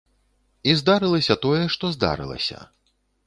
І здарылася тое, што здарылася.